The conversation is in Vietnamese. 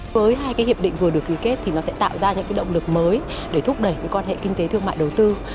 với hai cái hiệp định vừa được ký kết thì nó sẽ tạo ra những động lực mới để thúc đẩy quan hệ kinh tế thương mại đầu tư